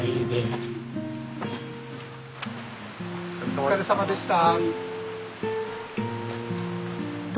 お疲れさまでした。